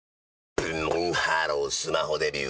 ブンブンハロースマホデビュー！